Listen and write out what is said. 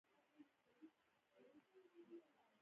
لا د رزم گرمی شته ده، زمونږ په مټو کی د ننه